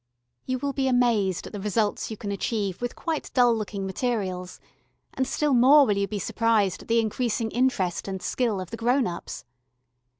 You will be amazed at the results you can achieve with quite dull looking materials, and still more will you be surprised at the increasing interest and skill of the grown ups.